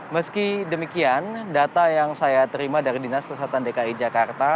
meski demikian data yang saya terima dari dinas kesehatan dki jakarta